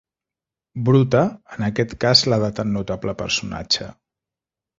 Bruta, en aquest cas la de tan notable personatge.